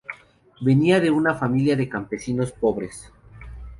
Venía de una familia de campesinos pobres.